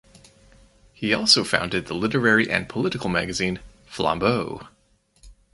He also founded the literary and political magazine "Flambeau".